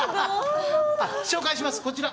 紹介しますこちら。